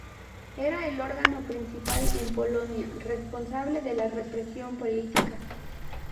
Era el órgano principal en Polonia responsable de la represión política.